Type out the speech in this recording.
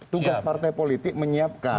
tugas partai politik menyiapkan